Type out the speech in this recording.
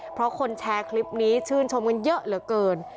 เพราะคนแชร์คลิปนี้ชื่นชมกันเยอะเหลือเกิน